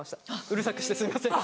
「うるさくしてすいません」。